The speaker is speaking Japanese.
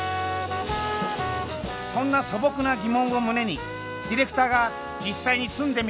そんな素朴な疑問を胸にディレクターが実際に住んでみるこの番組。